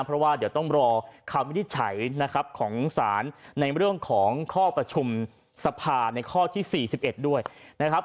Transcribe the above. เพราะว่าเดี๋ยวต้องรอคำวินิจฉัยนะครับของศาลในเรื่องของข้อประชุมสภาในข้อที่๔๑ด้วยนะครับ